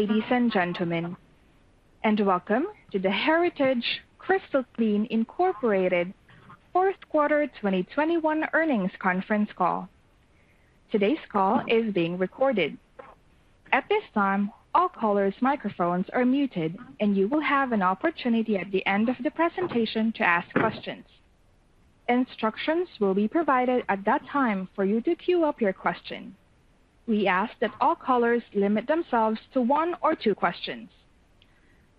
Ladies and gentlemen, welcome to the Heritage-Crystal Clean, Inc. fourth quarter 2021 earnings conference call. Today's call is being recorded. At this time, all callers' microphones are muted, and you will have an opportunity at the end of the presentation to ask questions. Instructions will be provided at that time for you to queue up your question. We ask that all callers limit themselves to one or two questions.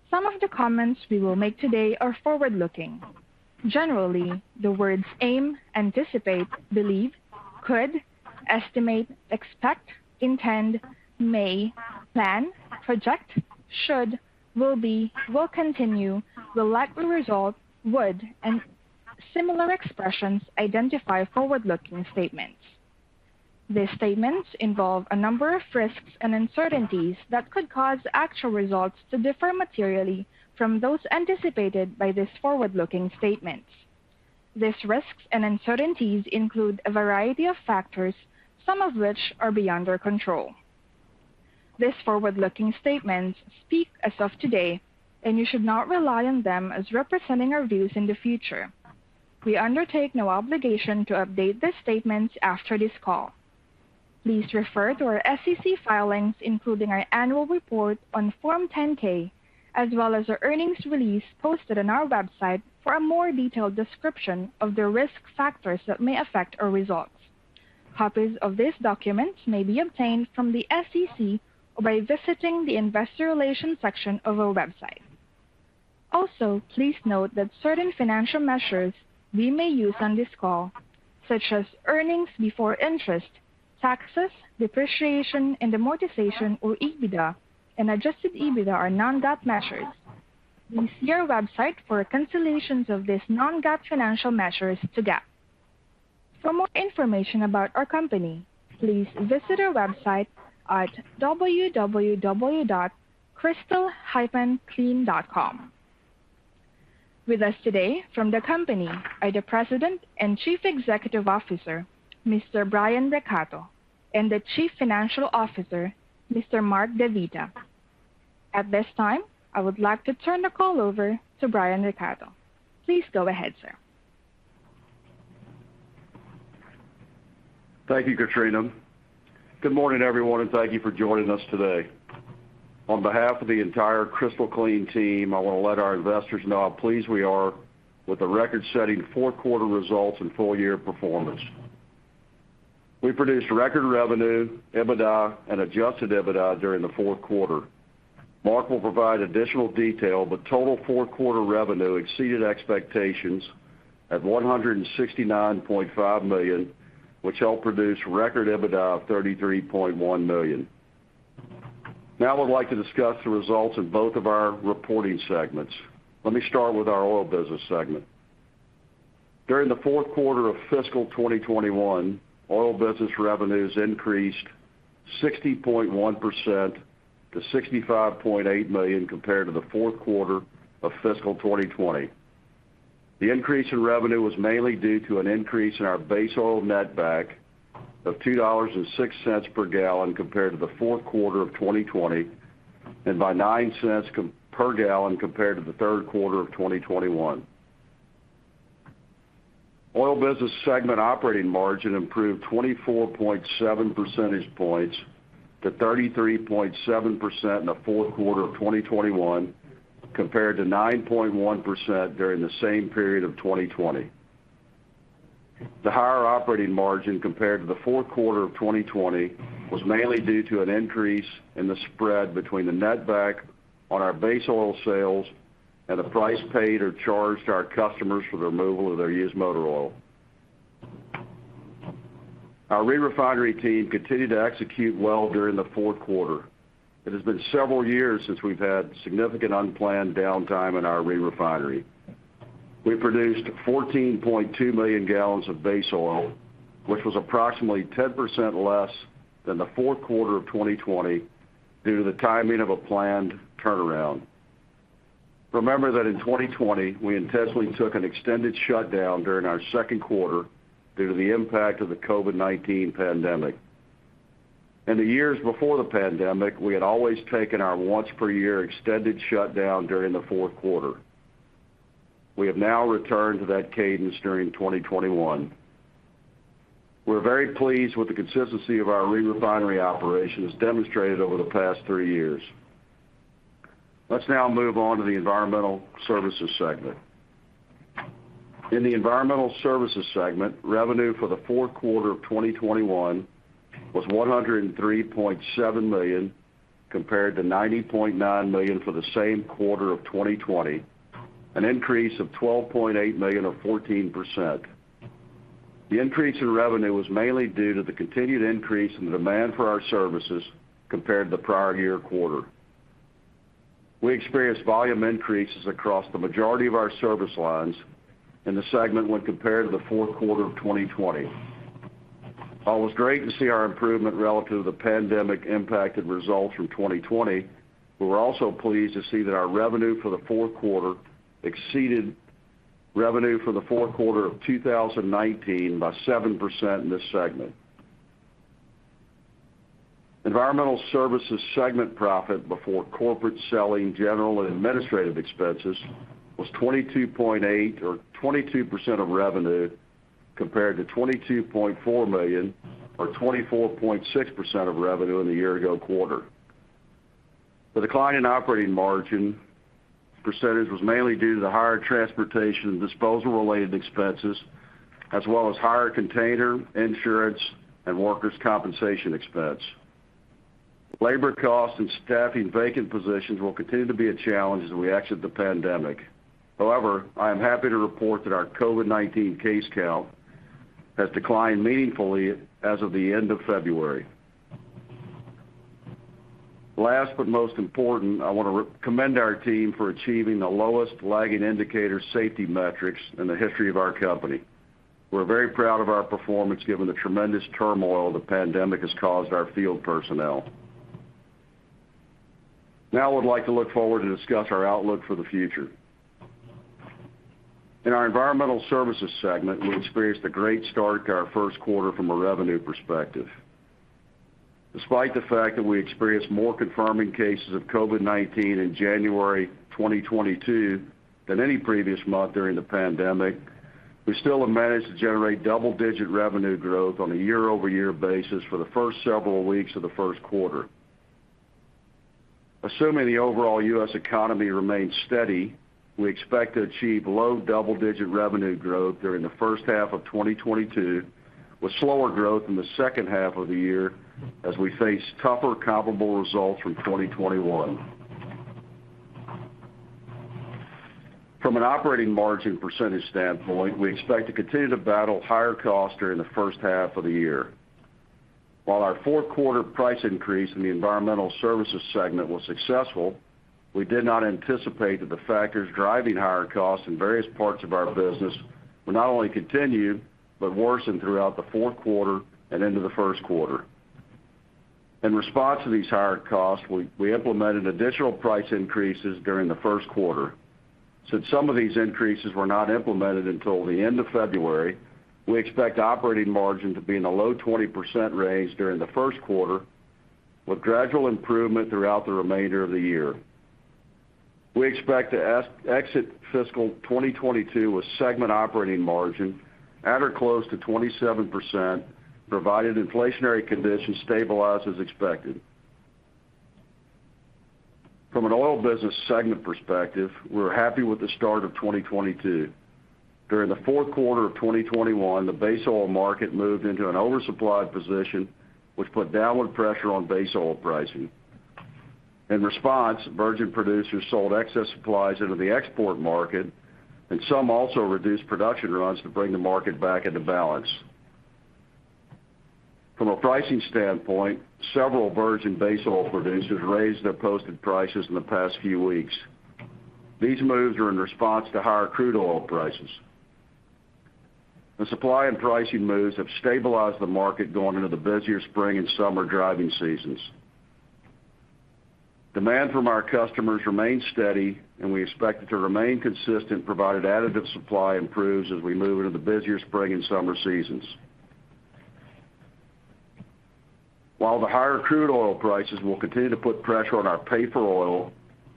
Some of the comments we will make today are forward-looking. Generally, the words aim, anticipate, believe, could, estimate, expect, intend, may, plan, project, should, will be, will continue, will likely result, would, and similar expressions identify forward-looking statements. These statements involve a number of risks and uncertainties that could cause actual results to differ materially from those anticipated by these forward-looking statements. These risks and uncertainties include a variety of factors, some of which are beyond our control. These forward-looking statements speak as of today, and you should not rely on them as representing our views in the future. We undertake no obligation to update these statements after this call. Please refer to our SEC filings, including our annual report on Form 10-K, as well as our earnings release posted on our website for a more detailed description of the risk factors that may affect our results. Copies of these documents may be obtained from the SEC or by visiting the investor relations section of our website. Also, please note that certain financial measures we may use on this call, such as earnings before interest, taxes, depreciation, and amortization or EBITDA and adjusted EBITDA are non-GAAP measures. Please see our website for reconciliations of these non-GAAP financial measures to GAAP. For more information about our company, please visit our website at www.crystal-clean.com. With us today from the company are the President and Chief Executive Officer, Mr. Brian Recatto, and the Chief Financial Officer, Mr. Mark DeVita. At this time, I would like to turn the call over to Brian Recatto. Please go ahead, sir. Thank you, Katrina. Good morning, everyone, and thank you for joining us today. On behalf of the entire Crystal Clean team, I want to let our investors know how pleased we are with the record-setting fourth quarter results and full year performance. We produced record revenue, EBITDA, and adjusted EBITDA during the fourth quarter. Mark will provide additional detail, but total fourth quarter revenue exceeded expectations at $169.5 million, which helped produce record EBITDA of $33.1 million. Now I would like to discuss the results of both of our reporting segments. Let me start with our oil business segment. During the fourth quarter of fiscal 2021, oil business revenues increased 60.1% to $65.8 million compared to the fourth quarter of fiscal 2020. The increase in revenue was mainly due to an increase in our base oil netback of $2.06 per gal compared to the fourth quarter of 2020 and by $0.09 per gal compared to the third quarter of 2021. Oil business segment operating margin improved 24.7 percentage points to 33.7% in the fourth quarter of 2021 compared to 9.1% during the same period of 2020. The higher operating margin compared to the fourth quarter of 2020 was mainly due to an increase in the spread between the netback on our base oil sales and the price paid or charged to our customers for the removal of their used motor oil. Our re-refinery team continued to execute well during the fourth quarter. It has been several years since we've had significant unplanned downtime in our re-refinery. We produced 14.2 million gal of base oil, which was approximately 10% less than the fourth quarter of 2020 due to the timing of a planned turnaround. Remember that in 2020, we intentionally took an extended shutdown during our second quarter due to the impact of the COVID-19 pandemic. In the years before the pandemic, we had always taken our once per year extended shutdown during the fourth quarter. We have now returned to that cadence during 2021. We're very pleased with the consistency of our re-refinery operations demonstrated over the past three years. Let's now move on to the environmental services segment. In the environmental services segment, revenue for the fourth quarter of 2021 was $103.7 million, compared to $90.9 million for the same quarter of 2020, an increase of $12.8 million or 14%. The increase in revenue was mainly due to the continued increase in the demand for our services compared to the prior year quarter. We experienced volume increases across the majority of our service lines in the segment when compared to the fourth quarter of 2020. While it was great to see our improvement relative to the pandemic impacted results from 2020, we were also pleased to see that our revenue for the fourth quarter exceeded revenue for the fourth quarter of 2019 by 7% in this segment. Environmental Services segment profit before corporate selling, general and administrative expenses was $22.8 or 22% of revenue, compared to $22.4 million or 24.6% of revenue in the year ago quarter. The decline in operating margin percentage was mainly due to the higher transportation and disposal related expenses as well as higher container insurance and workers' compensation expense. Labor costs and staffing vacant positions will continue to be a challenge as we exit the pandemic. However, I am happy to report that our COVID-19 case count has declined meaningfully as of the end of February. Last but most important, I want to recommend our team for achieving the lowest lagging indicator safety metrics in the history of our company. We're very proud of our performance given the tremendous turmoil the pandemic has caused our field personnel. Now I would like to look forward to discuss our outlook for the future. In our environmental services segment, we experienced a great start to our first quarter from a revenue perspective. Despite the fact that we experienced more confirming cases of COVID-19 in January 2022 than any previous month during the pandemic, we still have managed to generate double-digit revenue growth on a year-over-year basis for the first several weeks of the first quarter. Assuming the overall U.S. economy remains steady, we expect to achieve low double-digit revenue growth during the first half of 2022, with slower growth in the second half of the year as we face tougher comparable results from 2021. From an operating margin percentage standpoint, we expect to continue to battle higher costs during the first half of the year. While our fourth quarter price increase in the environmental services segment was successful, we did not anticipate that the factors driving higher costs in various parts of our business will not only continue, but worsen throughout the fourth quarter and into the first quarter. In response to these higher costs, we implemented additional price increases during the first quarter. Since some of these increases were not implemented until the end of February, we expect operating margin to be in the low 20% range during the first quarter, with gradual improvement throughout the remainder of the year. We expect to exit fiscal 2022 with segment operating margin at or close to 27%, provided inflationary conditions stabilize as expected. From an oil business segment perspective, we're happy with the start of 2022. During the fourth quarter of 2021, the base oil market moved into an oversupplied position, which put downward pressure on base oil pricing. In response, virgin producers sold excess supplies into the export market, and some also reduced production runs to bring the market back into balance. From a pricing standpoint, several virgin base oil producers raised their posted prices in the past few weeks. These moves are in response to higher crude oil prices. The supply and pricing moves have stabilized the market going into the busier spring and summer driving seasons. Demand from our customers remains steady, and we expect it to remain consistent provided additive supply improves as we move into the busier spring and summer seasons. While the higher crude oil prices will continue to put pressure on our pay for oil,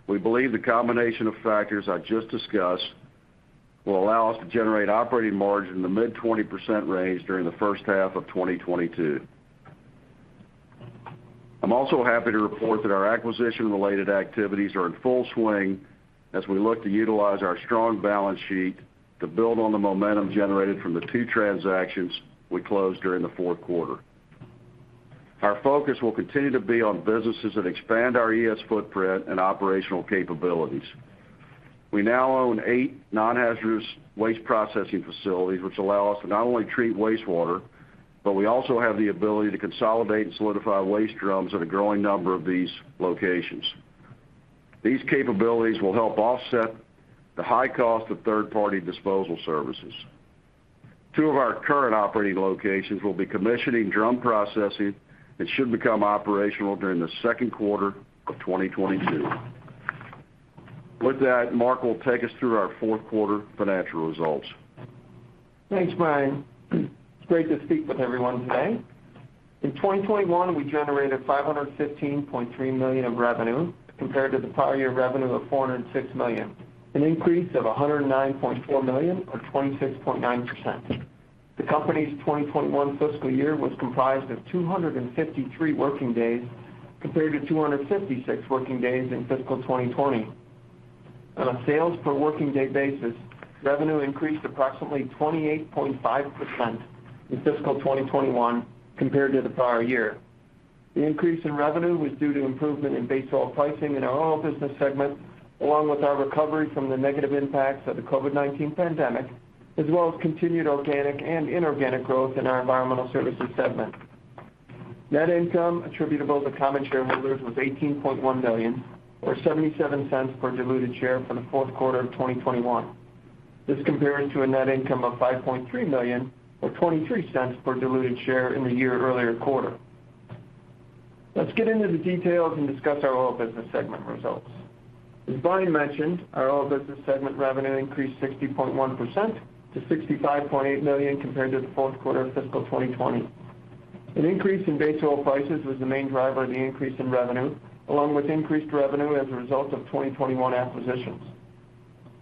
we believe the combination of factors I just discussed will allow us to generate operating margin in the mid-20% range during the first half of 2022. I'm also happy to report that our acquisition related activities are in full swing as we look to utilize our strong balance sheet to build on the momentum generated from the two transactions we closed during the fourth quarter. Our focus will continue to be on businesses that expand our ES footprint and operational capabilities. We now own eight non-hazardous waste processing facilities, which allow us to not only treat wastewater, but we also have the ability to consolidate and solidify waste drums at a growing number of these locations. These capabilities will help offset the high cost of third-party disposal services. Two of our current operating locations will be commissioning drum processing and should become operational during the second quarter of 2022. With that, Mark will take us through our fourth quarter financial results. Thanks, Brian. It's great to speak with everyone today. In 2021, we generated $515.3 million of revenue, compared to the prior year revenue of $406 million, an increase of $109.4 million or 26.9%. The company's 2021 fiscal year was comprised of 253 working days compared to 256 working days in fiscal 2020. On a sales per working day basis, revenue increased approximately 28.5% in fiscal 2021 compared to the prior year. The increase in revenue was due to improvement in base oil pricing in our oil business segment, along with our recovery from the negative impacts of the COVID-19 pandemic, as well as continued organic and inorganic growth in our environmental services segment. Net income attributable to common shareholders was $18.1 million or $0.77 per diluted share for the fourth quarter of 2021. This comparing to a net income of $5.3 million or $0.23 per diluted share in the year earlier quarter. Let's get into the details and discuss our Oil Business segment results. As Brian mentioned, our Oil Business segment revenue increased 60.1% to $65.8 million compared to the fourth quarter of fiscal 2020. An increase in base oil prices was the main driver of the increase in revenue, along with increased revenue as a result of 2021 acquisitions.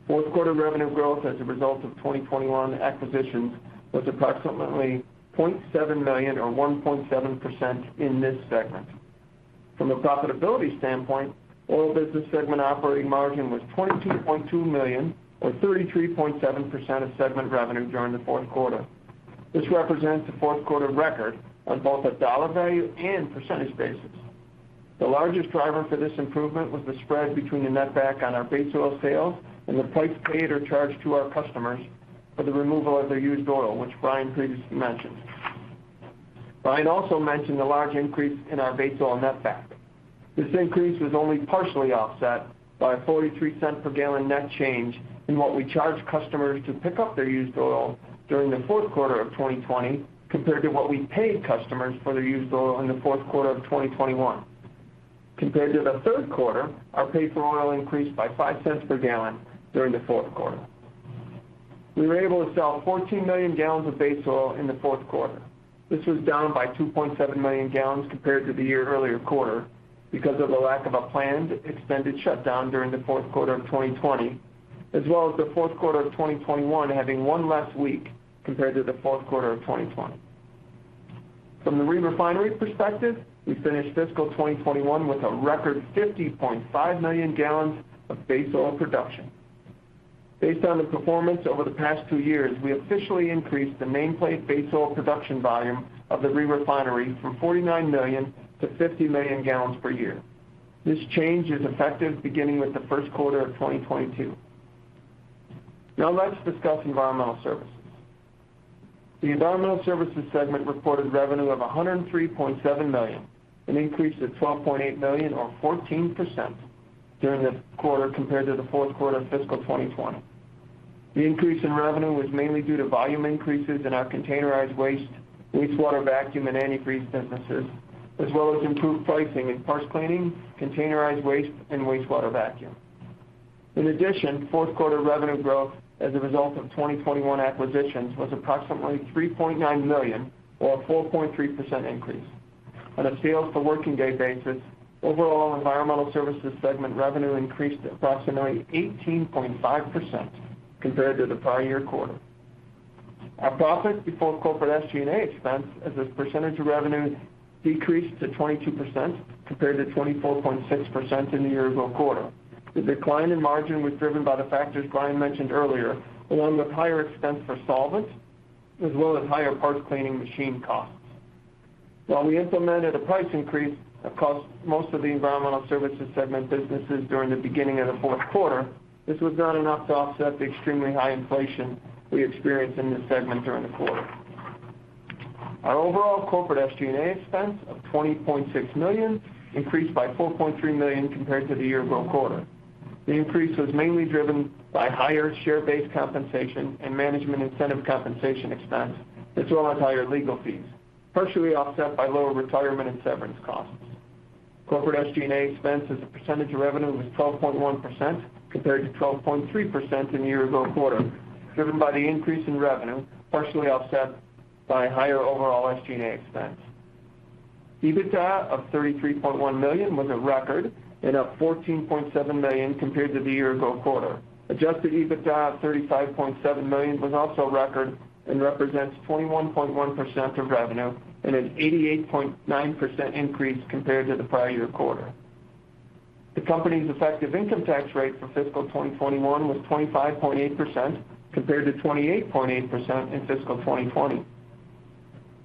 Fourth quarter revenue growth as a result of 2021 acquisitions was approximately $0.7 million or 1.7% in this segment. From a profitability standpoint, Oil Business segment operating margin was $22.2 million or 33.7% of segment revenue during the fourth quarter. This represents a fourth quarter record on both a dollar value and percentage basis. The largest driver for this improvement was the spread between the netback on our base oil sales and the price paid or charged to our customers for the removal of their used oil, which Brian previously mentioned. Brian also mentioned the large increase in our base oil netback. This increase was only partially offset by a $0.43 per gal net change in what we charge customers to pick up their used oil during the fourth quarter of 2020 compared to what we paid customers for their used oil in the fourth quarter of 2021. Compared to the third quarter, our price paid for oil increased by $0.05 per gal during the fourth quarter. We were able to sell 14 million gal of base oil in the fourth quarter. This was down by 2.7 million gal compared to the year earlier quarter because of the lack of a planned extended shutdown during the fourth quarter of 2020, as well as the fourth quarter of 2021 having one less week compared to the fourth quarter of 2020. From the re-refinery perspective, we finished fiscal 2021 with a record 50.5 million gal of base oil production. Based on the performance over the past two years, we officially increased the nameplate base oil production volume of the re-refinery from 49 million gal to 50 million gal per year. This change is effective beginning with the first quarter of 2022. Now let's discuss Environmental Services. The Environmental Services segment reported revenue of $103.7 million, an increase of $12.8 million or 14% during this quarter compared to the fourth quarter of fiscal 2020. The increase in revenue was mainly due to volume increases in our containerized waste, wastewater vacuum and antifreeze businesses, as well as improved pricing in parts cleaning, containerized waste and wastewater vacuum. In addition, fourth quarter revenue growth as a result of 2021 acquisitions was approximately $3.9 million or a 4.3% increase. On a sales for working day basis, overall Environmental Services segment revenue increased approximately 18.5% compared to the prior year quarter. Our profit before corporate SG&A expense as a percentage of revenue decreased to 22% compared to 24.6% in the year-ago quarter. The decline in margin was driven by the factors Brian mentioned earlier, along with higher expense for solvents as well as higher parts cleaning machine costs. While we implemented a price increase across most of the Environmental Services segment businesses during the beginning of the fourth quarter, this was not enough to offset the extremely high inflation we experienced in this segment during the quarter. Our overall corporate SG&A expense of $20.6 million increased by $4.3 million compared to the year-ago quarter. The increase was mainly driven by higher share-based compensation and management incentive compensation expense, as well as higher legal fees, partially offset by lower retirement and severance costs. Corporate SG&A expense as a percentage of revenue was 12.1% compared to 12.3% in year-ago quarter, driven by the increase in revenue, partially offset by higher overall SG&A expense. EBITDA of $33.1 million was a record and up $14.7 million compared to the year-ago quarter. Adjusted EBITDA of $35.7 million was also a record and represents 21.1% of revenue and an 88.9% increase compared to the prior year quarter. The company's effective income tax rate for fiscal 2021 was 25.8% compared to 28.8% in fiscal 2020.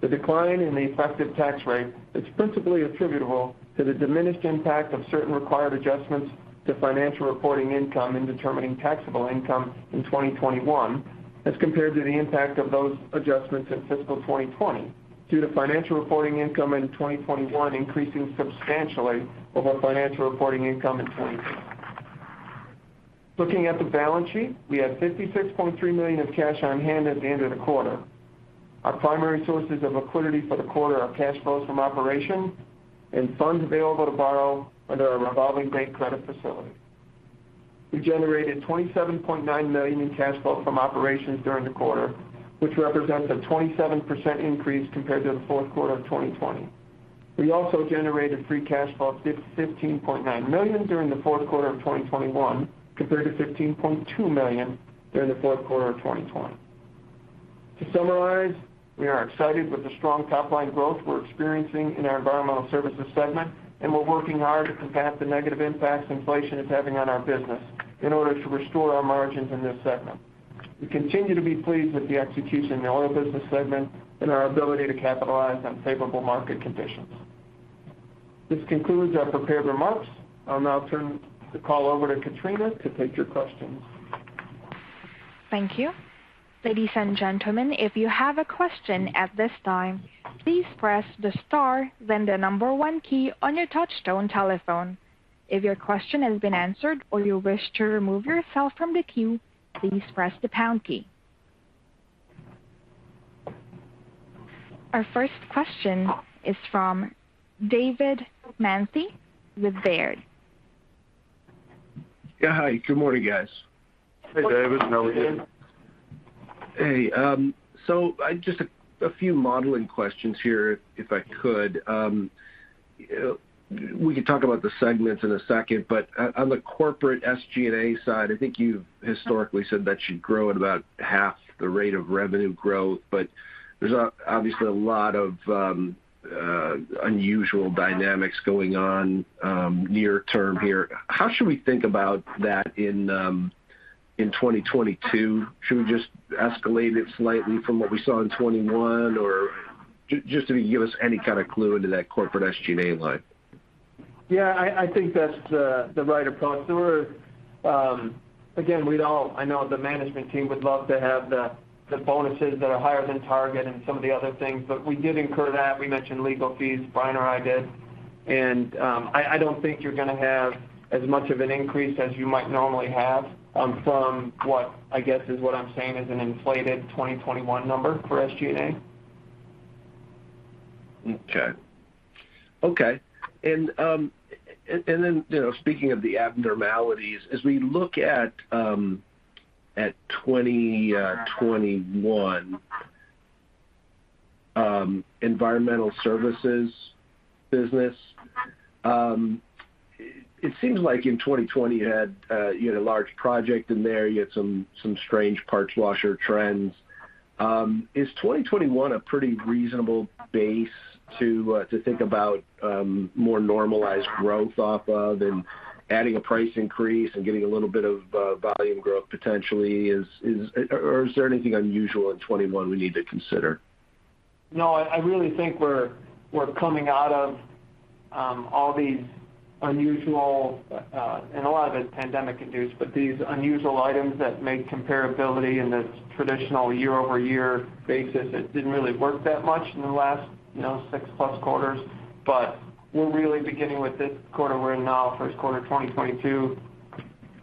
The decline in the effective tax rate is principally attributable to the diminished impact of certain required adjustments to financial reporting income in determining taxable income in 2021 as compared to the impact of those adjustments in fiscal 2020 due to financial reporting income in 2021 increasing substantially over financial reporting income in 2020. Looking at the balance sheet, we had $56.3 million of cash on hand at the end of the quarter. Our primary sources of liquidity for the quarter are cash flows from operations and funds available to borrow under our revolving bank credit facility. We generated $27.9 million in cash flow from operations during the quarter, which represents a 27% increase compared to the fourth quarter of 2020. We also generated free cash flow of $15.9 million during the fourth quarter of 2021 compared to $15.2 million during the fourth quarter of 2020. To summarize, we are excited with the strong top line growth we're experiencing in our Environmental Services segment, and we're working hard to combat the negative impacts inflation is having on our business in order to restore our margins in this segment. We continue to be pleased with the execution in the Oil Business segment and our ability to capitalize on favorable market conditions. This concludes our prepared remarks. I'll now turn the call over to Katrina to take your questions. Thank you. Ladies and gentlemen, If you have a question at this time, please press the star, then the number one key on your touchtone telephone. If your question has been answered or you wish to remove yourself from the queue, please press the pound key. Our first question is from David Manthey with Baird. Yeah. Hi, good morning, guys. Hey, David. How are you? Hey, I just a few modeling questions here, if I could. We can talk about the segments in a second. On the corporate SG&A side, I think you historically said you grow about half the rate of the revenue growth, but obviously a lot of unusual dynamics going on near term here. How should we think about that in 2022? Should we just escalate it slightly from what we saw in 2021? Just if you can give us any kind of clue into that corporate SG&A line. Yeah, I think that's the right approach. I know the management team would love to have the bonuses that are higher than target and some of the other things, but we did incur that. We mentioned legal fees, Brian or I did. I don't think you're gonna have as much of an increase as you might normally have from what I guess is what I'm saying is an inflated 2021 number for SG&A. Okay. Speaking of the abnormalities, as we look at 2021 Environmental Services business, it seems like in 2020 you had a large project in there. You had some strange parts washer trends. Is 2021 a pretty reasonable base to think about more normalized growth off of and adding a price increase and getting a little bit of volume growth potentially? Or is there anything unusual in 2021 we need to consider? No, I really think we're coming out of all these unusual and a lot of it's pandemic-induced, but these unusual items that make comparability in the traditional year-over-year basis. It didn't really work that much in the last six-plus quarters. We're really beginning with this quarter we're in now, first quarter 2022.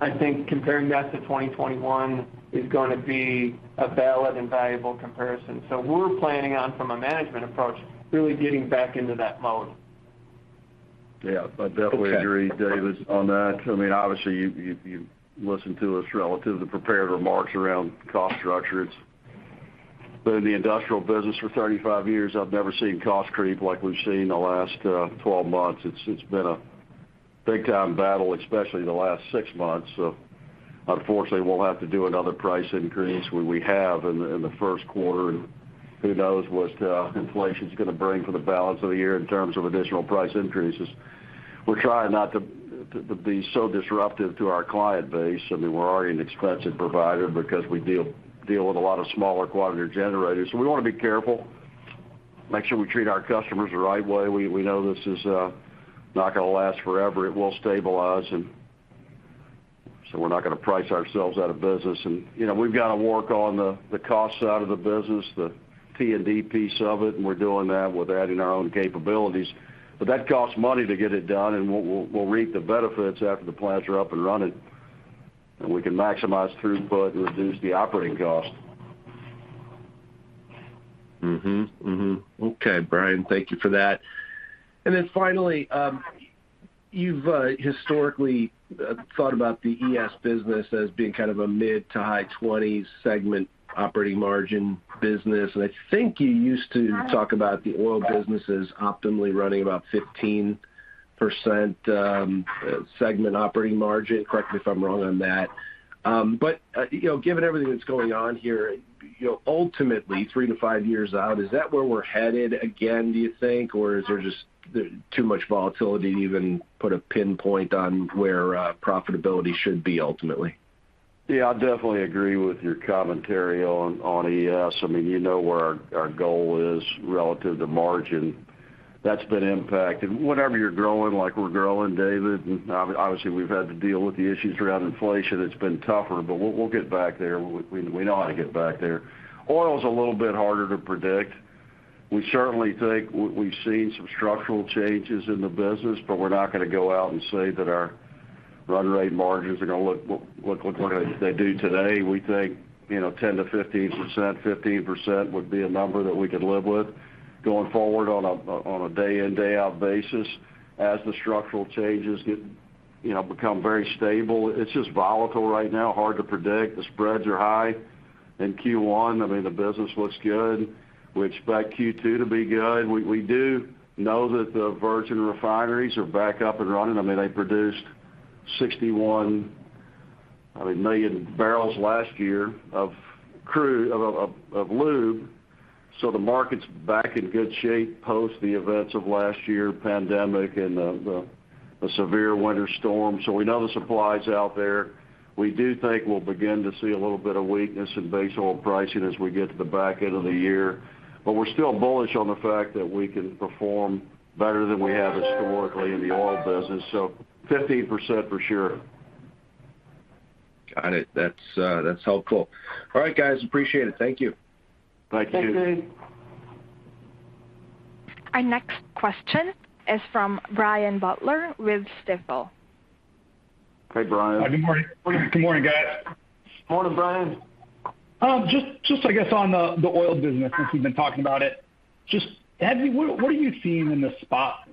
I think comparing that to 2021 is gonna be a valid and valuable comparison. We're planning on, from a management approach, really getting back into that mode. Yeah. I definitely agree, David, on that. I mean, obviously, you've listened to us relative to prepared remarks around cost structure. It's been in the industrial business for 35 years. I've never seen cost creep like we've seen in the last 12 months. It's been a big time battle, especially the last six months. Unfortunately, we'll have to do another price increase where we have in the first quarter. Who knows what inflation's gonna bring for the balance of the year in terms of additional price increases. We're trying not to be so disruptive to our client base. I mean, we're already an expensive provider because we deal with a lot of smaller quantity generators. We wanna be careful, make sure we treat our customers the right way. We know this is not gonna last forever. It will stabilize, and so we're not gonna price ourselves out of business. We've got to work on the cost side of the business, the T&D piece of it, and we're doing that. We're adding our own capabilities. That costs money to get it done, and we'll reap the benefits after the plants are up and running, and we can maximize throughput and reduce the operating cost. Okay, Brian, thank you for that. Finally, you've historically thought about the ES business as being kind of a mid- to high 20%s segment operating margin business. I think you used to talk about the oil businesses optimally running about 15% segment operating margin. Correct me if I'm wrong on that. GIven everything that's going on here, ultimately, three-five years out, is that where we're headed again, do you think? Or is there just too much volatility to even put a pinpoint on where profitability should be ultimately? Yeah, I definitely agree with your commentary on ES. I mean, you know where our goal is relative to margin. That's been impacted. Whenever you're growing like we're growing, David, and obviously, we've had to deal with the issues around inflation, it's been tougher, but we'll get back there. We know how to get back there. Oil's a little bit harder to predict. We certainly think we've seen some structural changes in the business, but we're not gonna go out and say that our run rate margins are gonna look like they do today. We think 10%-15%, 15% would be a number that we could live with going forward on a day in, day out basis as the structural changes become very stable. It's just volatile right now, hard to predict. The spreads are high. In Q1, I mean, the business looks good. We expect Q2 to be good. We do know that the virgin refineries are back up and running. I mean, they produced 61 million bbl last year of lube. The market's back in good shape post the events of last year, pandemic and the severe winter storm. We know the supply's out there. We do think we'll begin to see a little bit of weakness in base oil pricing as we get to the back end of the year. We're still bullish on the fact that we can perform better than we have historically in the oil business. 15% for sure. Got it. That's helpful. All right, guys, appreciate it. Thank you. Thank you. Our next question is from Brian Butler with Stifel. Hey, Brian. Good morning. Good morning, guys. Morning, Brian. Just I guess on the oil business, since we've been talking about it. Just what are you seeing in the spot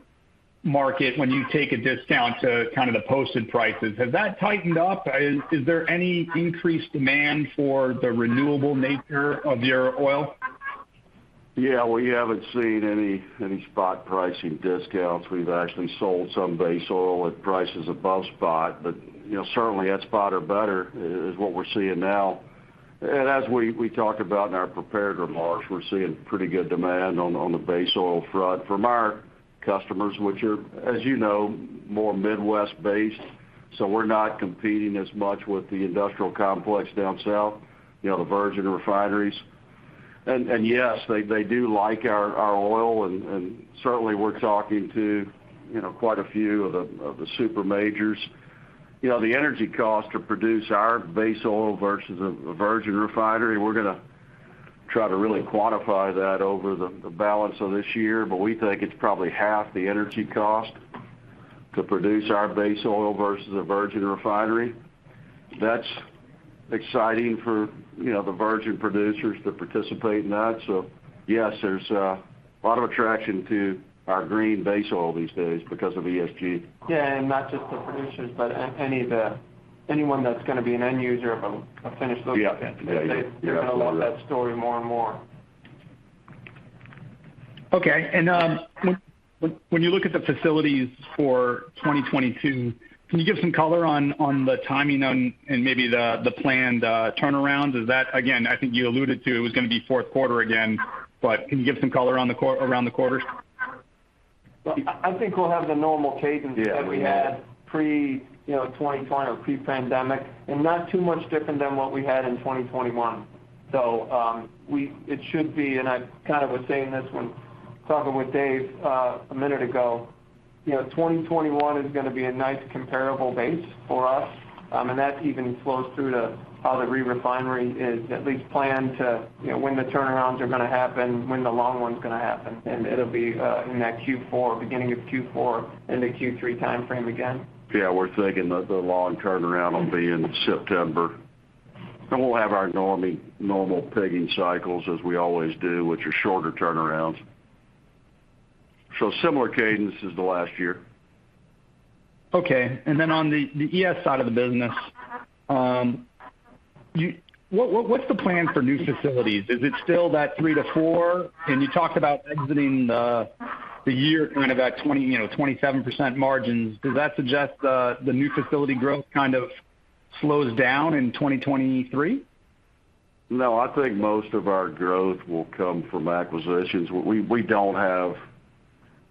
market when you take a discount to kind of the posted prices? Has that tightened up? Is there any increased demand for the renewable nature of your oil? Yeah, we haven't seen any spot pricing discounts. We've actually sold some base oil at prices above spot. You know, certainly at spot or better is what we're seeing now. As we talked about in our prepared remarks, we're seeing pretty good demand on the base oil front from our customers, which are, as you know, more Midwest-based. We're not competing as much with the industrial complex down south, the virgin refineries. Yes, they do like our oil and certainly we're talking to quite a few of the super majors. The energy cost to produce our base oil versus a virgin refinery, we're gonna try to really quantify that over the balance of this year. We think it's probably half the energy cost to produce our base oil versus a virgin refinery. That's exciting for the virgin producers to participate in that. Yes, there's a lot of attraction to our green base oil these days because of ESG. Yeah, not just the producers, but anyone that's gonna be an end user of a finished look. Yeah. Yeah. They're gonna love that story more and more. Okay. When you look at the facilities for 2022, can you give some color on the timing and maybe the planned turnarounds? Is that again? I think you alluded to it was gonna be fourth quarter again. Can you give some color on around the quarters? Well, I think we'll have the normal cadence. We had pre-, 2020, or pre-pandemic, and not too much different than what we had in 2021. It should be, and I kind of was saying this when talking with Dave a minute ago. You know, 2021 is gonna be a nice comparable base for us. And that even flows through to how the re-refinery is at least planned to when the turnarounds are gonna happen, when the long one's gonna happen. It'll be in that Q4, beginning of Q4 into Q3 timeframe again. Yeah, we're thinking that the long turnaround will be in September. Then we'll have our normal pegging cycles as we always do, which are shorter turnarounds. Similar cadence as the last year. Okay. On the ES side of the business, what's the plan for new facilities? Is it still that three-four? You talked about exiting the year kind of at 27% margins. Does that suggest the new facility growth kind of slows down in 2023? No, I think most of our growth will come from acquisitions. We don't have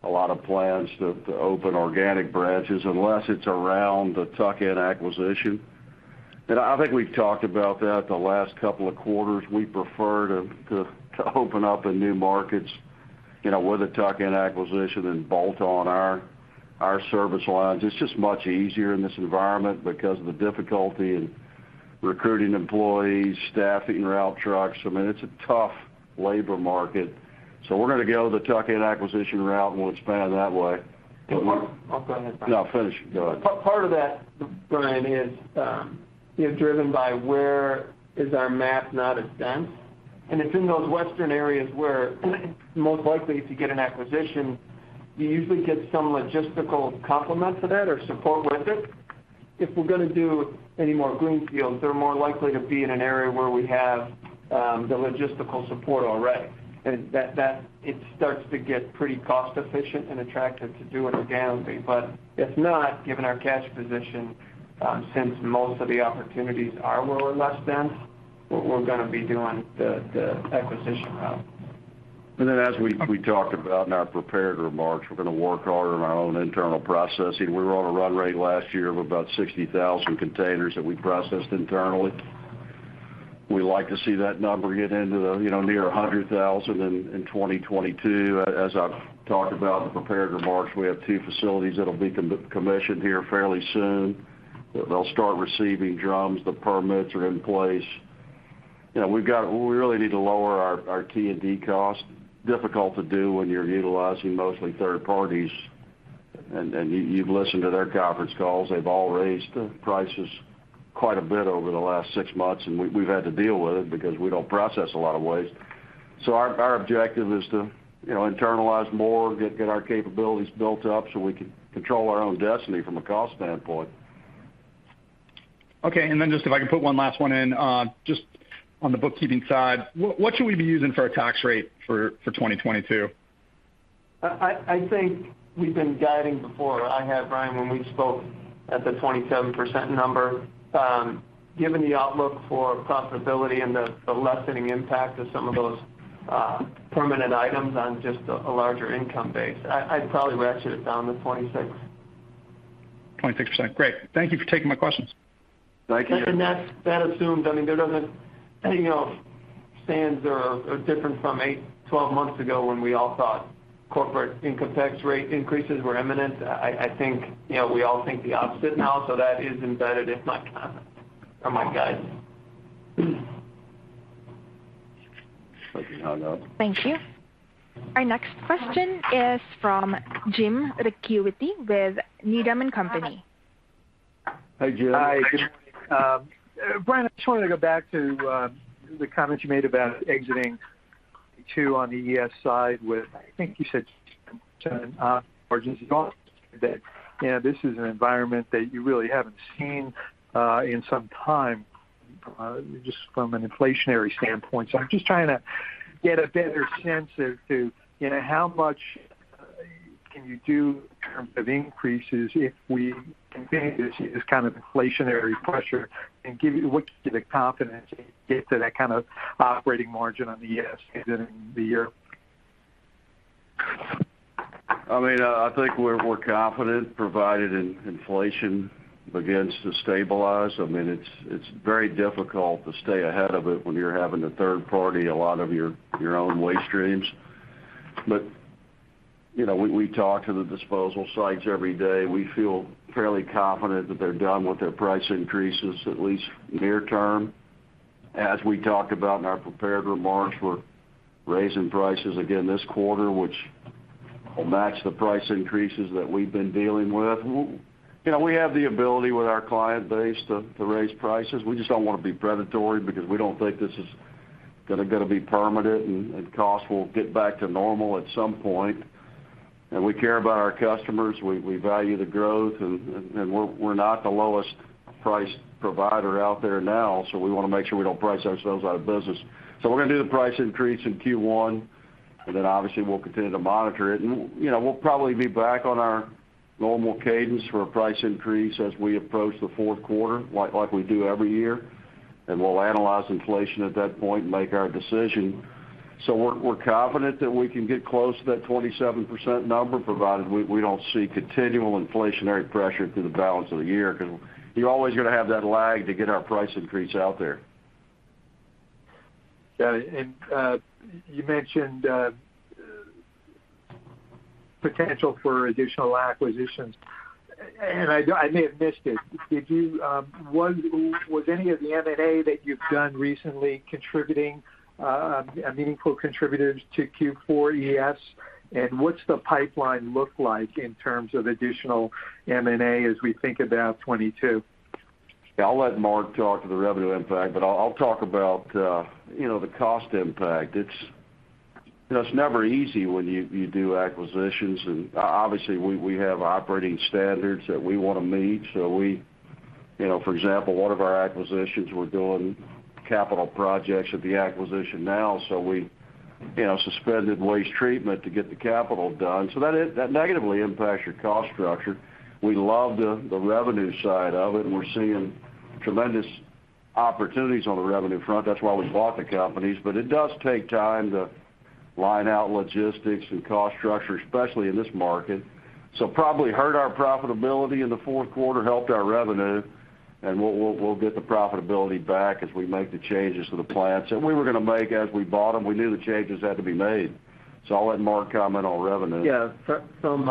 a lot of plans to open organic branches unless it's around a tuck-in acquisition. I think we've talked about that the last couple of quarters. We prefer to open up in new markets, with a tuck-in acquisition and bolt on our service lines. It's just much easier in this environment because of the difficulty in recruiting employees, staffing route trucks. I mean, it's a tough labor market. We're gonna go the tuck-in acquisition route, and we'll expand that way. Well, Mark. No, finish. Go ahead. Part of that, Brian, is driven by where our map is not as dense. It's in those western areas where we're most likely to get an acquisition. You usually get some logistical complement to that or support with it. If we're gonna do any more greenfields, they're more likely to be in an area where we have the logistical support already. It starts to get pretty cost efficient and attractive to do it organically. If not, given our cash position, since most of the opportunities are where we're less dense, we're gonna be doing the acquisition route. Then as we talked about in our prepared remarks, we're gonna work harder on our own internal processing. We were on a run rate last year of about 60,000 containers that we processed internally. We like to see that number get into the near 100,000 in 2022. As I've talked about in the prepared remarks, we have two facilities that'll be commissioned here fairly soon. They'll start receiving drums. The permits are in place. You know, we really need to lower our T&D costs. Difficult to do when you're utilizing mostly third parties. You've listened to their conference calls, they've all raised prices quite a bit over the last six months, and we've had to deal with it because we don't process a lot of waste. Our objective is to internalize more, get our capabilities built up so we can control our own destiny from a cost standpoint. Okay. Just if I can put one last one in, just on the bookkeeping side. What should we be using for our tax rate for 2022? I think we've been guiding before. I have, Brian, when we spoke at the 27% number. Given the outlook for profitability and the lessening impact of some of those permanent items on just a larger income base, I'd probably ratchet it down to 26%. 26%. Great. Thank you for taking my questions. Thank you. That assumes, I mean, there aren't any plans that are different from 8-12 months ago when we all thought corporate income tax rate increases were imminent. I think, we all think the opposite now, so that is embedded in my comment or my guidance. Thank you. Our next question is from Jim Ricchiuti with Needham & Company. Hi, Jim. Hi. Good morning. Brian, I just wanted to go back to the comments you made about exiting two on the ES side with, I think you said, margins gone, that, this is an environment that you really haven't seen in some time just from an inflationary standpoint. I'm just trying to get a better sense as to how much can you do in terms of increases if we continue to see this kind of inflationary pressure what gives you the confidence you can get to that kind of operating margin on ES ending the year? I mean, I think we're confident provided inflation begins to stabilize. I mean, it's very difficult to stay ahead of it when you're having to third-party a lot of your own waste streams. We talk to the disposal sites every day. We feel fairly confident that they're done with their price increases, at least near term. As we talked about in our prepared remarks, we're raising prices again this quarter, which will match the price increases that we've been dealing with. We have the ability with our client base to raise prices. We just don't wanna be predatory because we don't think this is gonna be permanent, and costs will get back to normal at some point. We care about our customers. We value the growth. We're not the lowest price provider out there now, so we wanna make sure we don't price ourselves out of business. We're gonna do the price increase in Q1, and then obviously we'll continue to monitor it. We'll probably be back on our normal cadence for a price increase as we approach the fourth quarter, like we do every year. We'll analyze inflation at that point and make our decision. We're confident that we can get close to that 27% number, provided we don't see continual inflationary pressure through the balance of the year, 'cause you're always gonna have that lag to get our price increase out there. Got it. You mentioned potential for additional acquisitions. I may have missed it. Was any of the M&A that you've done recently contributing a meaningful contribution to Q4 ES? What's the pipeline look like in terms of additional M&A as we think about 2022? Yeah, I'll let Mark talk to the revenue impact, but I'll talk about the cost impact. It's, you know, it's never easy when you do acquisitions. Obviously, we have operating standards that we wanna meet. We, for example, one of our acquisitions, we're doing capital projects at the acquisition now. We suspended waste treatment to get the capital done. That negatively impacts your cost structure. We love the revenue side of it, and we're seeing tremendous opportunities on the revenue front. That's why we bought the companies. It does take time to line out logistics and cost structure, especially in this market. Probably hurt our profitability in the fourth quarter, helped our revenue, and we'll get the profitability back as we make the changes to the plants that we were gonna make as we bought them. We knew the changes had to be made. I'll let Mark comment on revenue. Yeah. From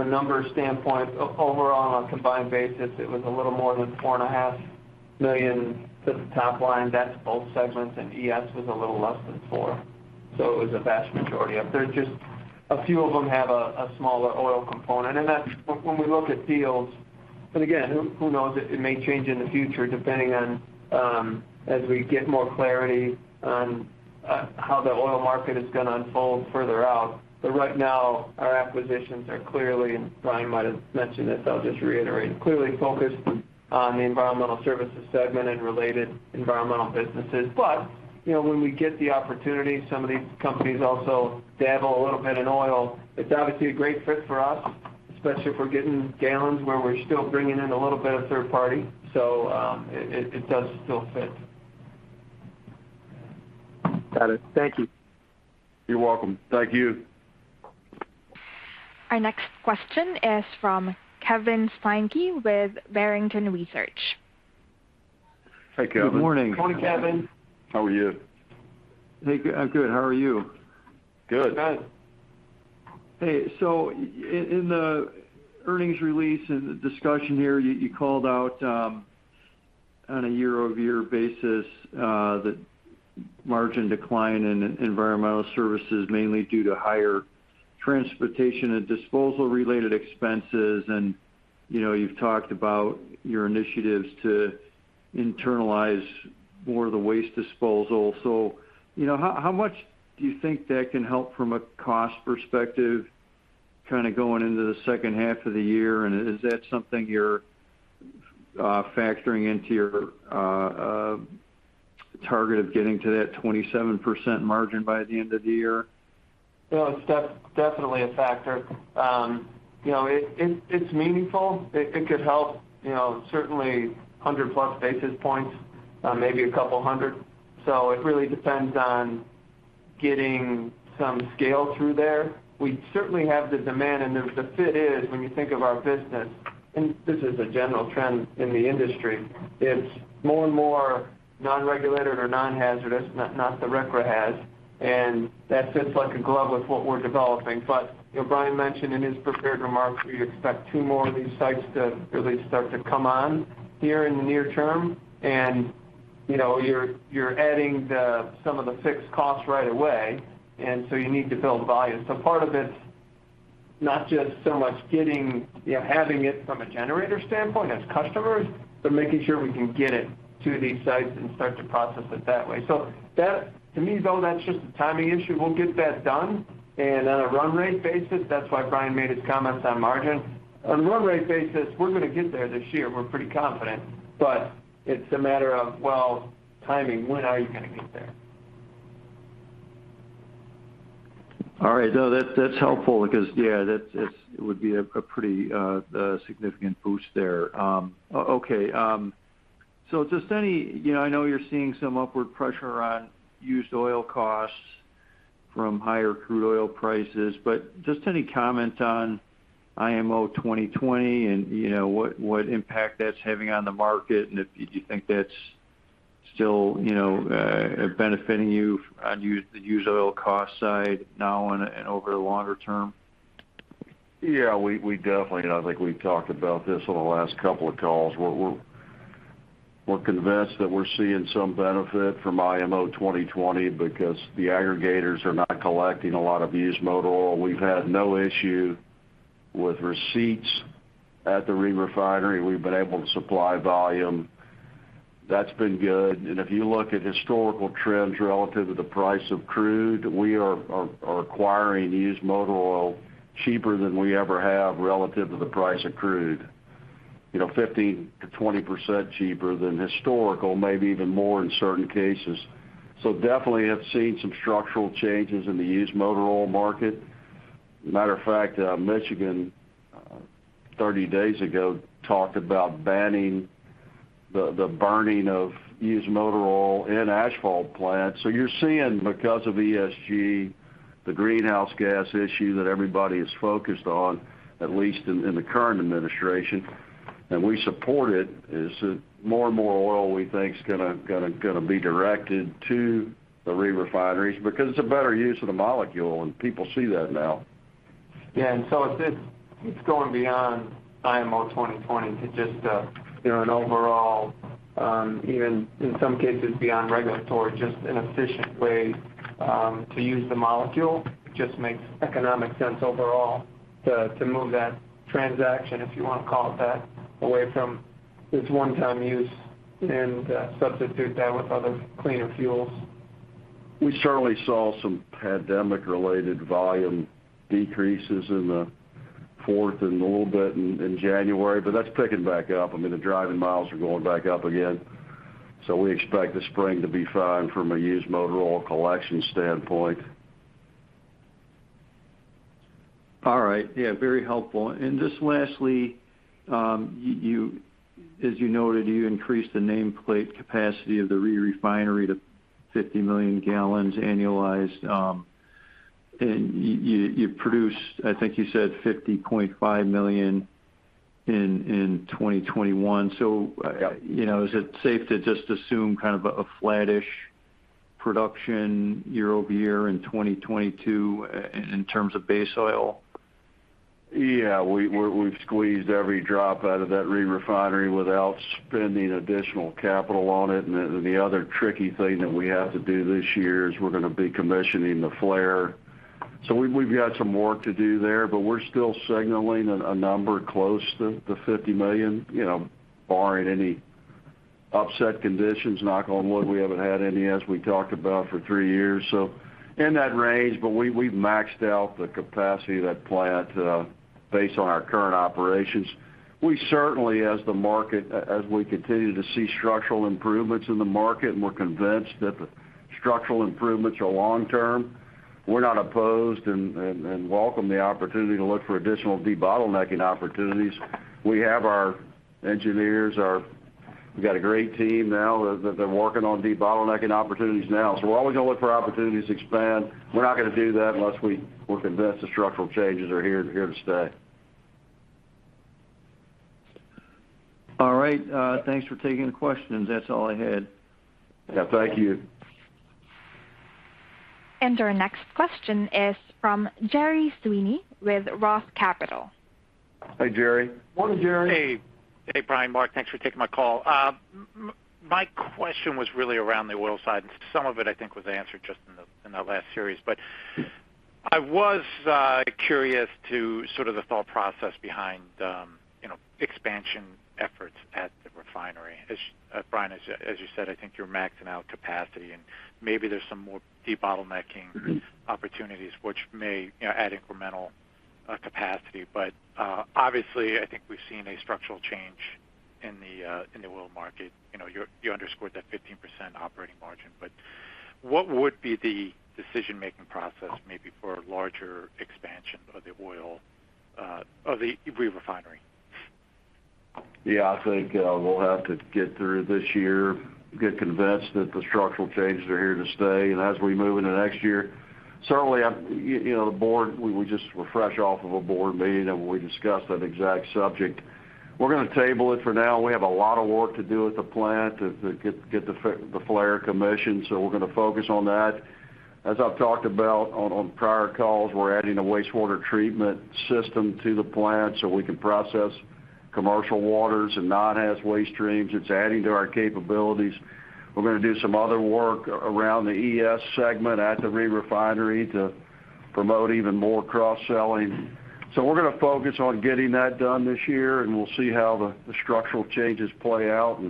a numbers standpoint, overall on a combined basis, it was a little more than $4.5 million to the top line. That's both segments, and ES was a little less than $4 million. It was a vast majority up there. Just a few of them have a smaller oil component. That's when we look at deals, and again, who knows, it may change in the future depending on as we get more clarity on how the oil market is gonna unfold further out. Right now, our acquisitions are clearly, and Brian might have mentioned this, so I'll just reiterate, clearly focused on the environmental services segment and related environmental businesses. When we get the opportunity, some of these companies also dabble a little bit in oil. It's obviously a great fit for us, especially if we're getting gallons where we're still bringing in a little bit of third party. It does still fit. Got it. Thank you. You're welcome. Thank you. Our next question is from Kevin Steinke with Barrington Research. Hey, Kevin. Good morning. Morning, Kevin. How are you? Hey. I'm good. How are you? Good. Good. Hey, so in the earnings release and the discussion here, you called out, on a year-over-year basis, the margin decline in environmental services, mainly due to higher transportation and disposal related expenses. You've talked about your initiatives to internalize more of the waste disposal. How much do you think that can help from a cost perspective, kind of going into the second half of the year? Is that something you're factoring into your target of getting to that 27% margin by the end of the year? Well, it's definitely a factor. You know, it's meaningful. It could help, you know, certainly 100+ basis points, maybe a couple hundred. It really depends on getting some scale through there. We certainly have the demand. The fit is, when you think of our business, and this is a general trend in the industry, it's more and more non-regulated or non-hazardous, not the RCRA hazardous, and that fits like a glove with what we're developing. Brian mentioned in his prepared remarks, we expect two more of these sites to really start to come online in the near term. You know, you're adding some of the fixed costs right away, and so you need to build volume. Part of it's not just so much having it from a generator standpoint as customers, but making sure we can get it to these sites and start to process it that way. To me, though, that's just a timing issue. We'll get that done. On a run rate basis, that's why Brian made his comments on margin. On run rate basis, we're gonna get there this year, we're pretty confident, but it's a matter of, well, timing, when are you gonna get there? All right. No, that's helpful because, yeah, that's it would be a pretty significant boost there. Okay. I know you're seeing some upward pressure on used oil costs from higher crude oil prices, but just any comment on IMO 2020, and what impact that's having on the market, and if do you think that's still benefiting you on the used oil cost side now and over the longer term? Yeah, we definitely, and I think we've talked about this on the last couple of calls. We're convinced that we're seeing some benefit from IMO 2020 because the aggregators are not collecting a lot of used motor oil. We've had no issue with receipts at the re-refinery. We've been able to supply volume. That's been good. And if you look at historical trends relative to the price of crude, we are acquiring used motor oil cheaper than we ever have relative to the price of crude. You know, 15%-20% cheaper than historical, maybe even more in certain cases. Definitely have seen some structural changes in the used motor oil market. Matter of fact, Michigan, 30 days ago, talked about banning the burning of used motor oil in asphalt plants. You're seeing because of ESG, the greenhouse gas issue that everybody is focused on, at least in the current administration, and we support it. More and more oil, we think, is gonna be directed to the re-refineries because it's a better use of the molecule, and people see that now. Yeah. It's going beyond IMO 2020 to just an overall, even in some cases beyond regulatory, just an efficient way to use the molecule. It just makes economic sense overall to move that transaction, if you wanna call it that, away from this one-time use and substitute that with other cleaner fuels. We certainly saw some pandemic-related volume decreases in the fourth quarter and a little bit in January, but that's picking back up. I mean, the driving miles are going back up again. We expect the spring to be fine from a used motor oil collection standpoint. All right. Yeah, very helpful. Just lastly, as you noted, you increased the nameplate capacity of the re-refinery to 50 million gal annualized. And you produced, I think you said 50.5 million in 2021. You know, is it safe to just assume kind of a flattish production year-over-year in 2022 in terms of base oil? Yeah. We've squeezed every drop out of that re-refinery without spending additional capital on it. The other tricky thing that we have to do this year is we're gonna be commissioning the flare. We've got some work to do there, but we're still signaling a number close to the $50 million, barring any upset conditions. Knock on wood, we haven't had any as we talked about for three years. In that range, but we've maxed out the capacity of that plant based on our current operations. We certainly as we continue to see structural improvements in the market, and we're convinced that the structural improvements are long term, we're not opposed and welcome the opportunity to look for additional debottlenecking opportunities. We have our engineers, we've got a great team now that are working on debottlenecking opportunities now. We're always gonna look for opportunities to expand. We're not gonna do that unless we're convinced the structural changes are here to stay. All right. Thanks for taking the questions. That's all I had. Yeah, thank you. Our next question is from Gerry Sweeney with Roth Capital. Hi, Gerry. Morning, Gerry. Hey. Hey, Brian, Mark, thanks for taking my call. My question was really around the oil side, and some of it I think was answered just in the last series. I was curious as to the thought process behind, expansion efforts at the refinery. As Brian, as you said, I think you're maxing out capacity, and maybe there's some more debottlenecking opportunities which may add incremental capacity. Obviously, I think we've seen a structural change in the oil market. You underscored that 15% operating margin. What would be the decision-making process maybe for a larger expansion of the oil re-refinery? Yeah. I think we'll have to get through this year, get convinced that the structural changes are here to stay. As we move into next year, certainly, I'm, you know, the board, we just were fresh off of a board meeting and we discussed that exact subject. We're gonna table it for now. We have a lot of work to do at the plant to get the flare commissioned, so we're gonna focus on that. As I've talked about on prior calls, we're adding a wastewater treatment system to the plant, so we can process commercial waters and non-haz waste streams. It's adding to our capabilities. We're gonna do some other work around the ES segment at the re-refinery to promote even more cross-selling. We're gonna focus on getting that done this year, and we'll see how the structural changes play out.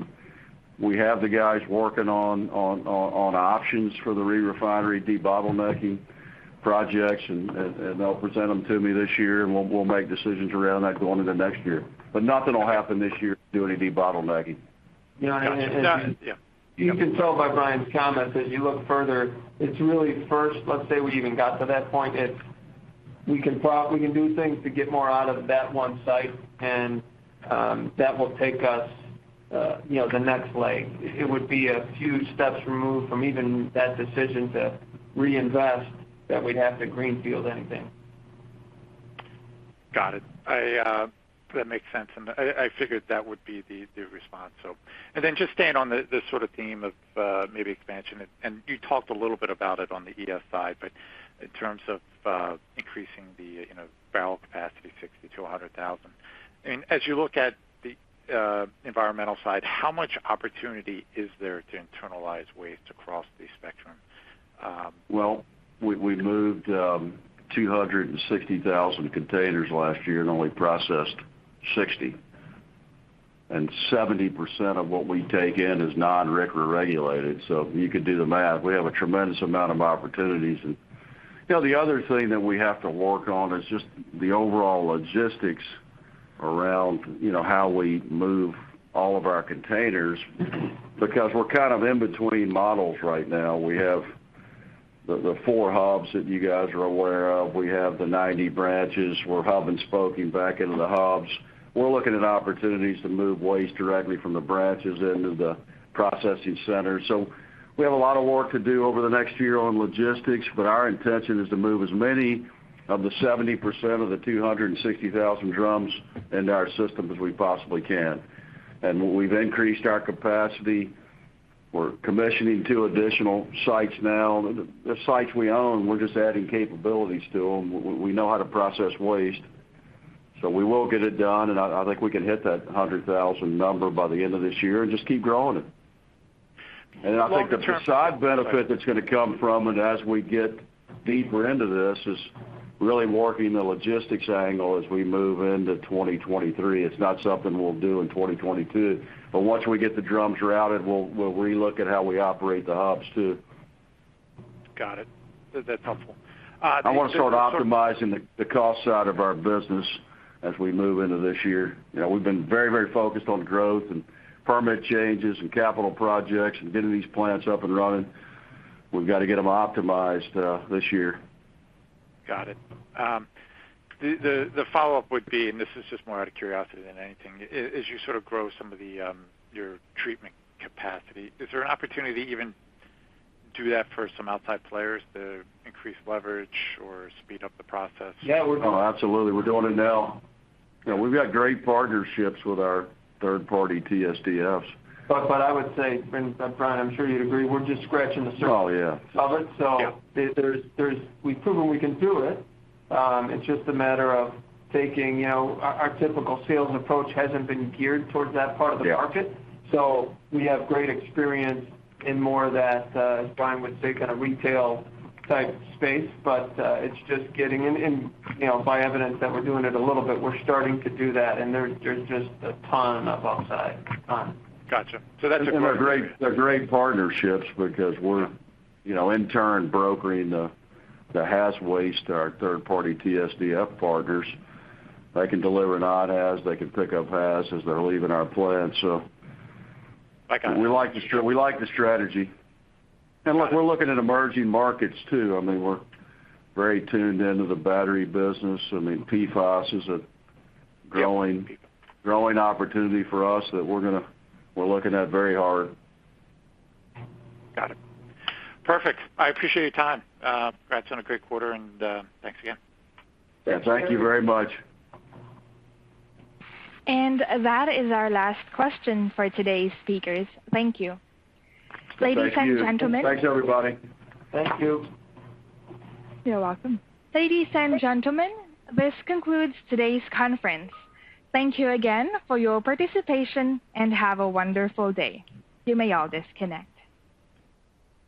We have the guys working on options for the re-refinery debottlenecking projects. They'll present them to me this year, and we'll make decisions around that going into next year. Nothing will happen this year to do any debottlenecking. You can tell by Brian's comments, as you look further, it's really first. Let's say we even got to that point, it's we can do things to get more out of that one site. That will take us, the next leg. It would be a few steps removed from even that decision to reinvest that we'd have to greenfield anything. Got it. That makes sense. I figured that would be the response, so. Then just staying on the sort of theme of maybe expansion, and you talked a little bit about it on the ES side, but in terms of increasing the you know barrel capacity [60,000-100,000]. As you look at the environmental side, how much opportunity is there to internalize waste across the spectrum? Well, we moved 260,000 containers last year and only processed 60,000. 70% of what we take in is non-RCRA regulated, so you could do the math. We have a tremendous amount of opportunities. The other thing that we have to work on is just the overall logistics around, you know, how we move all of our containers because we're kind of in between models right now. We have the four hubs that you guys are aware of. We have the 90 branches. We're hub and spoking back into the hubs. We're looking at opportunities to move waste directly from the branches into the processing center. We have a lot of work to do over the next year on logistics, but our intention is to move as many of the 70% of the 260,000 drums into our system as we possibly can. We've increased our capacity. We're commissioning two additional sites now. The sites we own, we're just adding capabilities to them. We know how to process waste, so we will get it done, and I think we can hit that 100,000 number by the end of this year and just keep growing it. I think the side benefit that's gonna come from it as we get deeper into this is really working the logistics angle as we move into 2023. It's not something we'll do in 2022. Once we get the drums routed, we'll relook at how we operate the hubs too. Got it. That's helpful. Just sort of. I wanna start optimizing the cost side of our business as we move into this year. We've been very, very focused on growth, and permit changes, and capital projects, and getting these plants up and running. We've got to get them optimized, this year. Got it. The follow-up would be, and this is just more out of curiosity than anything. As you sort of grow some of your treatment capacity, is there an opportunity to even do that for some outside players to increase leverage or speed up the process? Yeah. Oh, absolutely. We're doing it now. We've got great partnerships with our third party TSDFs. I would say, and Brian, I'm sure you'd agree, we're just scratching the surface of it. Oh, yeah. We've proven we can do it. It's just a matter of taking our typical sales approach hasn't been geared towards that part of the market. We have great experience in more of that, as Brian would say, kind of retail type space. It's just getting in, by evidence that we're doing it a little bit, we're starting to do that, and there's just a ton of upside. Gotcha. They're great partnerships because we're in turn brokering the haz waste to our third party TSDF partners. They can deliver non-haz. They can pick up haz as they're leaving our plant. I got it. We like the strategy. Look, we're looking at emerging markets too. I mean, we're very tuned into the battery business. I mean, PFAS is a growing opportunity for us that we're looking at very hard. Got it. Perfect. I appreciate your time. Congrats on a great quarter, and thanks again. Yeah, thank you very much. That is our last question for today's speakers. Thank you. Thank you. Ladies and gentlemen- Thanks, everybody. Thank you. You're welcome. Ladies and gentlemen, this concludes today's conference. Thank you again for your participation, and have a wonderful day. You may all disconnect.